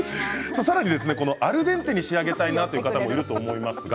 さらにアルデンテに仕上げたいなという方もいると思います。